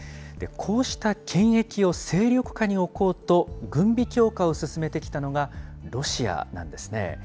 こうした権益を勢力下に置こうと、軍備強化を進めてきたのがロシアなんですね。